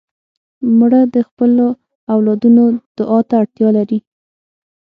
مړه د خپلو اولادونو دعا ته اړتیا لري